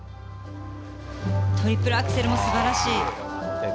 トリプルアクセルも素晴らしい。